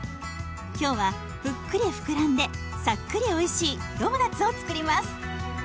今日はぷっくりふくらんでさっくりおいしいドーナツを作ります。